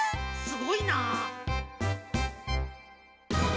すごいなあ。